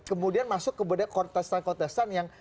kemudian masuk ke kultestan kultestan yang